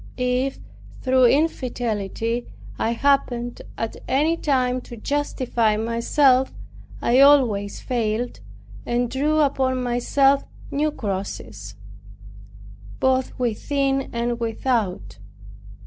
If through infidelity I happened at any time to justify myself, I always failed, and drew upon myself new crosses, both within and without.